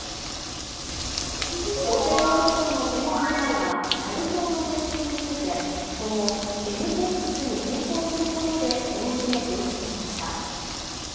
厚生労働省の専門部会は、サル痘の名称について、今後、エムポックスに変更することでおおむね了承しました。